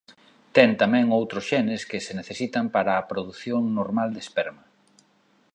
Ten tamén outros xenes que se necesitan para a produción normal de esperma.